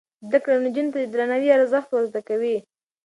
زده کړه نجونو ته د درناوي ارزښت ور زده کوي.